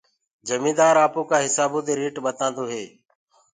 جميندآر آپوڪآ هسآبو دي ريٽ ٻتآندو هي